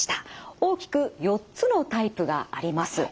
大きく４つのタイプがあります。